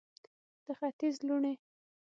د ختیځ لوڼې